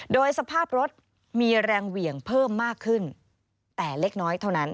โดยสภาพรถมีแรงเหวี่ยงเพิ่มมากขึ้นแต่เล็กน้อยเท่านั้น